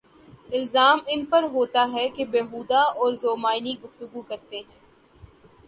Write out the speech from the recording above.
الزام ان پہ ہوتاہے کہ بیہودہ اورذومعنی گفتگو کرتے ہیں۔